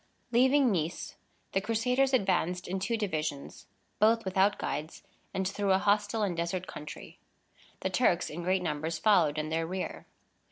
Leaving Nice, the Crusaders advanced in two divisions, both without guides, and through a hostile and desert country. The Turks, in great numbers, followed in their rear.